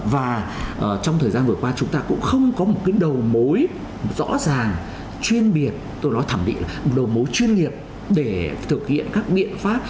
và trong thời gian vừa qua chúng ta cũng không có một cái đầu mối rõ ràng chuyên biệt tôi nói thẩm định là đầu mối chuyên nghiệp để thực hiện các biện pháp